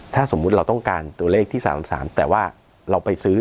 ถ้าสมมุติเราต้องการตัวเลขที่๓๓แต่ว่าเราไปซื้อ